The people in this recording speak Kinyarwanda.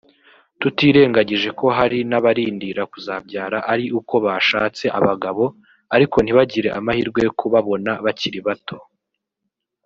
tutirengagije ko hari n’abarindira kuzabyara ari uko bashatse abagabo ariko ntibagire amahirwe yo kubabona bakiri bato